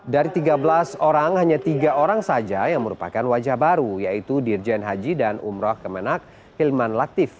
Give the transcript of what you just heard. dari tiga belas orang hanya tiga orang saja yang merupakan wajah baru yaitu dirjen haji dan umroh kemenak hilman latif